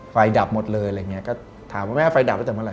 ดับหมดเลยอะไรอย่างเงี้ยก็ถามว่าแม่ไฟดับตั้งแต่เมื่อไ